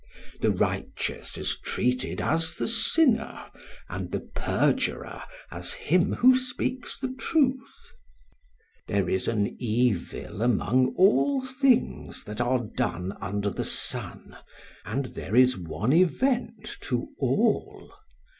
The righteous is treated as the sinner and the perjurer as him who speaks the truth. There is an evil among all things that are done under the sun, and there is one event to all.